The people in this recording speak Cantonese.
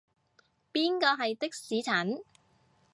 邊個係的士陳？